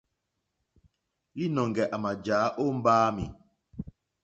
Līnɔ̄ŋgɛ̄ à mà jàá ó mbáāmì.